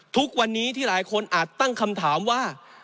ทุกวันนี้ที่หลายคนอาจตั้งคำถามว่า